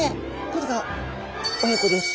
これが親子です。